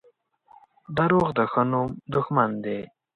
• دروغ د ښه نوم دښمن دي.